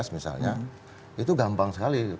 misalnya itu gampang sekali